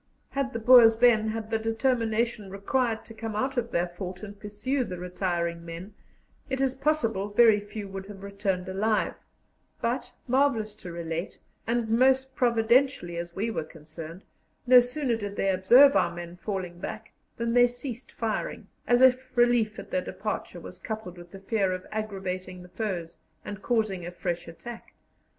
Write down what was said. Had the Boers then had the determination required to come out of their fort and pursue the retiring men, it is possible very few would have returned alive; but, marvellous to relate, and most providentially as we were concerned, no sooner did they observe our men falling back than they ceased firing, as if relief at their departure was coupled with the fear of aggravating the foes and causing a fresh attack.